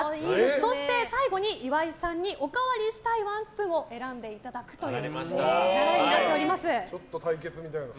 そして最後に岩井さんにおかわりしたいワンスプーンを選んでいただくという流れになっております。